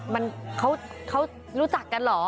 มันเขารู้จักกันเหรอ